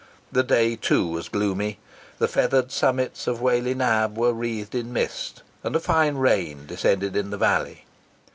The day, too, was gloomy. The feathered summits of Whalley Nab were wreathed in mist, and a fine rain descended in the valley.